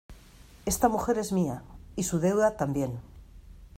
esta mujer es mía, y su deuda también.